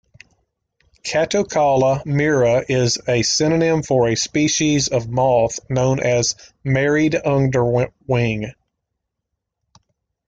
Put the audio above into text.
"Catocala myrrha" is a synonym for a species of moth known as married underwing.